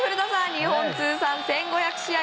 日本通算１５００試合